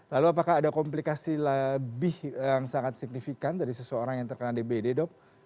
lalu apakah ada komplikasi lebih yang sangat signifikan dari seseorang yang terkena dbd dok